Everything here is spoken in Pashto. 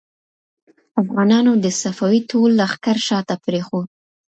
افغانانو د صفوي ټول لښکر شا ته پرېښود.